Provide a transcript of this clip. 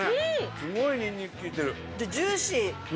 すごいニンニクきいてる。